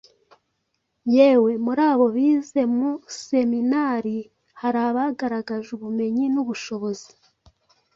Yewe muri abo bize mu seminari, hari abagaragaje ubumenyi n'ubushobozi